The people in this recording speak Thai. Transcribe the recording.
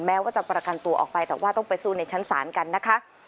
ว่าจะประกันตัวออกไปแต่ว่าต้องไปสู้ในชั้นศาลกันนะคะ